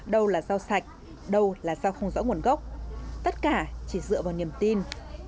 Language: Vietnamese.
đâu là rau sạch đâu là rau không rõ nguồn gốc tất cả chỉ dựa vào niềm tin